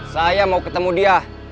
saya mau ketemu dia